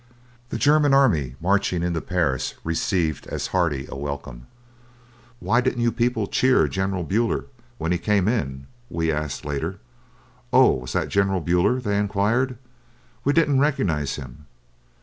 The German army marching into Paris received as hearty a welcome. "Why didn't you people cheer General Buller when he came in?" we asked later. "Oh, was that General Buller?" they inquired. "We didn't recognize him."